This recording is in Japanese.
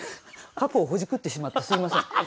過去をほじくってしまってすみません。